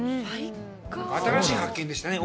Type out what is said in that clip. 新しい発見でしたね。